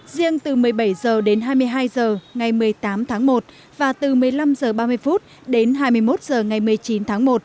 riêng từ một mươi bảy giờ đến hai mươi hai giờ ngày một mươi tám tháng một và từ một mươi năm giờ ba mươi phút đến hai mươi một giờ ngày một mươi chín tháng một